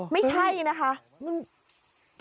ไม่ใช่นะคะ